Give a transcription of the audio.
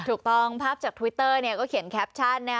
ถูกต้องภาพจากทวิตเตอร์ก็เขียนแคปชั่น